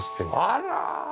あら！